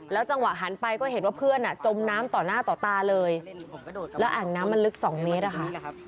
จังหวะหันไปก็เห็นว่าเพื่อนจมน้ำต่อหน้าต่อตาเลยแล้วแอ่งน้ำมันลึก๒เมตรอะค่ะ